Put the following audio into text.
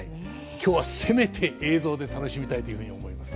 今日はせめて映像で楽しみたいというふうに思います。